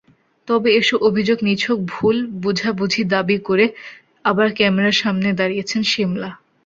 তবে এসব অভিযোগ নিছক ভুল–বোঝাবুঝি দাবি করে আবার ক্যামেরার সামনে দাঁড়িয়েছেন সিমলা।